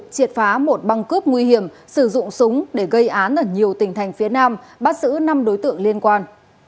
triệt phá một băng cướp nguy hiểm sử dụng súng để gây án ở nhiều tỉnh thành phía nam bắt giữ năm đối tượng liên quan